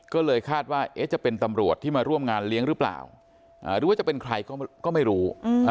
ก็เลยคาดว่าจะเป็นตำรวจที่มาร่วมงานเลี้ยงหรือเปล่าหรือว่าจะเป็นใครก็ไม่รู้